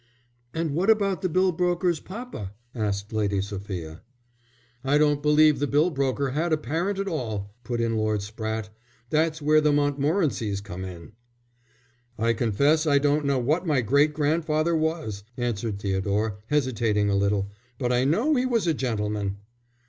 "And what about the bill broker's papa?" asked Lady Sophia. "I don't believe the bill broker had a parent at all," put in Lord Spratte. "That's where the Montmorencys come in." "I confess I don't know what my great grandfather was," answered Theodore, hesitating a little, "but I know he was a gentleman."